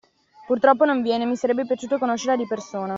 Purtroppo non viene, mi sarebbe piaciuto conoscerla di persona